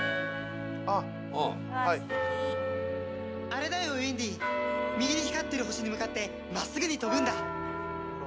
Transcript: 「あれだよウェンディ右に光ってる星に向かって真っすぐに飛ぶんだ！」